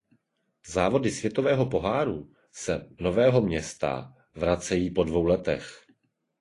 Závody světového poháru se Nového Města vrací po dvou letech.